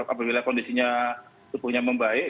apabila kondisinya tubuhnya membaik